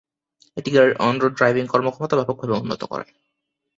এটি গাড়ির on-road driving কর্মক্ষমতা ব্যাপকভাবে উন্নত করে।